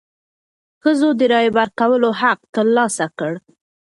ښځو د رایې ورکولو حق تر لاسه کړ.